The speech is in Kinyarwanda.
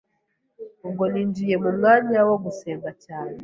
Ubwo ninjiye mu mwanya wo gusenga cyane